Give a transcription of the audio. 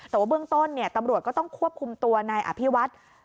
แต่ว่าเบื้องต้นตำรวจก็ต้องควบคุมตัวนายอภิวัฒน์